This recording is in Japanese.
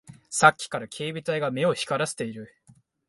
さっきから警備隊が目を光らせている